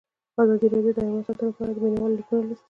ازادي راډیو د حیوان ساتنه په اړه د مینه والو لیکونه لوستي.